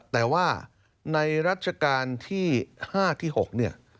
แต่ว่าในรัชกาลที่๕ที่๖เนี่ย